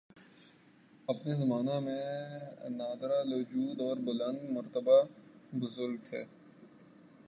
۔ اپنے زمانہ میں نادرالوجود اور بلند مرتبہ بزرگ تھے